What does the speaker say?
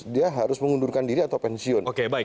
dia harus mengundurkan diri atau pensiun